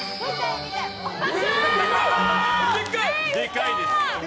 でかいです。